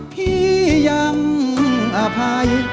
พี่ยังอภัย